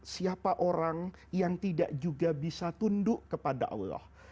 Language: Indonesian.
siapa orang yang tidak juga bisa tunduk kepada allah